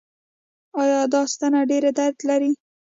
ایا دا ستنه ډیر درد لري؟